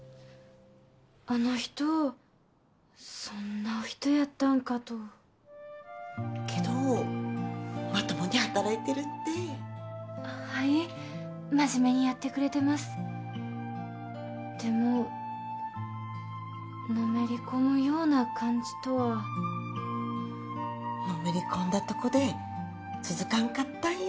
あの人そんなお人やったんかとけどまともに働いてるってはい真面目にやってくれてますでものめり込むような感じとはのめり込んだとこで続かんかったんよ